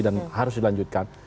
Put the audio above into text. dan harus dilanjutkan